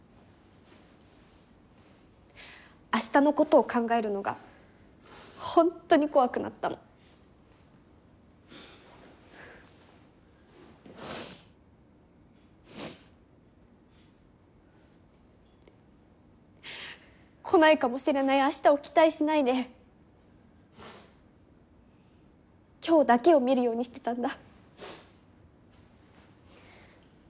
明日のことを考えるのがホントに怖くなったの。来ないかもしれない明日を期待しないで今日だけを見るようにしてたんだ。